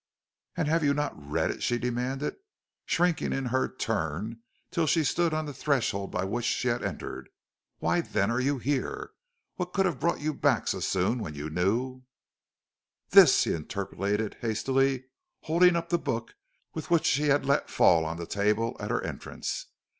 "And have you not read it?" she demanded, shrinking in her turn till she stood on the threshold by which she had entered. "Why then are you here? What could have brought you back so soon when you knew " "This," he interpolated hastily, holding up the book which he had let fall on the table at her entrance.